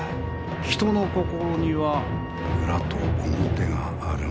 人の心には裏と表があるものぞ。